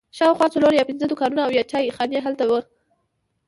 شاوخوا څلور یا پنځه دوکانونه او یوه چای خانه هلته وه.